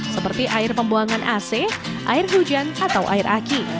seperti air pembuangan ac air hujan atau air aki